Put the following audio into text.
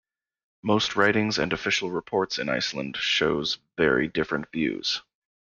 Most writings and official reports in Iceland shows very different views.